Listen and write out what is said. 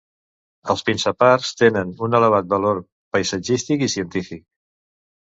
Els pinsapars tenen un elevat valor paisatgístic i científic.